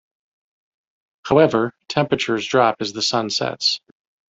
However, temperatures drop as the sun sets.